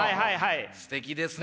すてきですね。